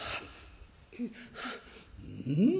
「うん！」。